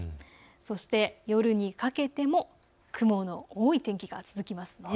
そして夜にかけても雲の多い天気が続きます。